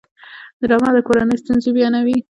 ډرامه د کورنۍ ستونزې بیانوي